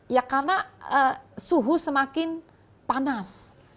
ya karena suhu semakin panas